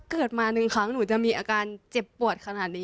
เกิดมาหนึ่งครั้งหนูจะมีอาการเจ็บปวดขนาดนี้